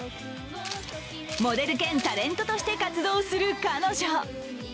モデル兼タレントとして活動する彼女。